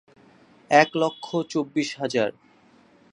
এক লক্ষ চব্বিশ হাজার।